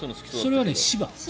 それは柴。